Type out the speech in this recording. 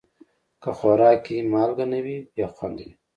که خوراک کې مالګه نه وي، بې خوند وي.